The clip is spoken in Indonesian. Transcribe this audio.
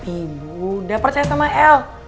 ibu udah percaya sama el